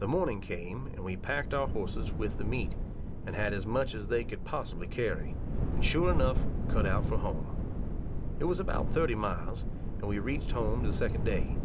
The morning came, and we packed our horses with the meat, and had as much as they could possibly carry, and sure enough cut out for home. It was about thirty miles, and we reached home the second day.